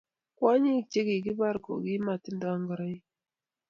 kwonyik che kikipar ko kimatindo ngoraiki